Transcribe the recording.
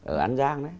ở an giang đấy